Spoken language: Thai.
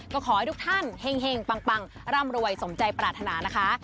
ก็ขอให้ทุกท่านเฮ่งปังร่ำรวยสมใจปรารถนานะคะ